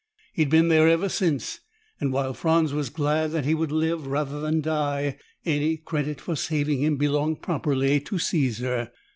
He'd been there ever since, and, while Franz was glad that he would live rather than die, any credit for saving him belonged properly to Caesar.